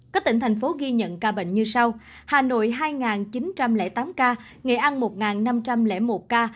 các tỉnh thành phố ghi nhận ca bệnh như sau hà nội hai chín trăm linh tám ca nghệ an một năm trăm linh một ca